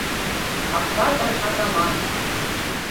Акпатыр-атаман!